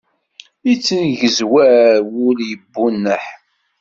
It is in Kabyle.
Yettengezwar wul yebunneḥ.